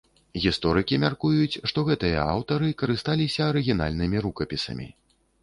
Гісторыкі мяркуюць, што гэтыя аўтары карысталіся арыгінальнымі рукапісамі.